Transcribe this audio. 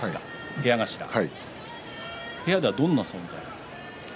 部屋ではどんな存在ですか。